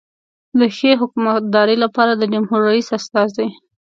د ښې حکومتدارۍ لپاره د جمهور رئیس استازی.